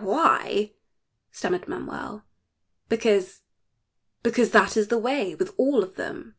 "Why," stammered Manuel, "because because that is the way with all of them."